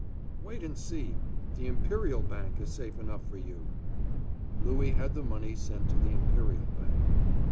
Wait and see. The Imperial Bank is safe enough for you." Louis had the money sent to the Imperial Bank.